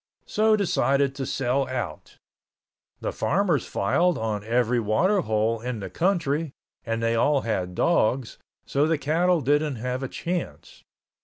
So decided to sell out. The farmers filed on every water hole in the country and they all had dogs, so the cattle didn't have a chance.